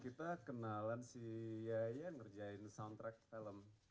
kita kenalan si yaya ngerjain soundtrack film